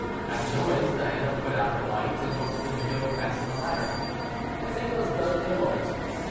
At the noise, Diana put out her light and opened the window to fasten the ladder. The thing was done in a moment.